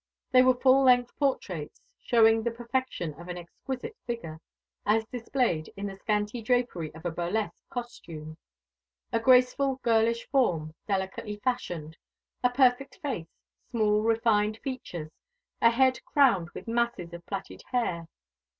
They were full length portraits, showing the perfection of an exquisite figure, as displayed in the scanty drapery of a burlesque costume: a graceful girlish form, delicately fashioned, a perfect face, small refined features, a head crowned with masses of platted hair.